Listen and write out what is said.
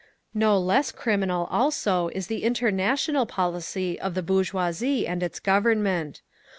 "No less criminal also is the international policy of the bourgeoisie and its Government.